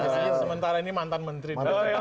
sementara ini mantan menteri